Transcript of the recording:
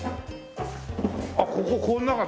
あっこここの中で？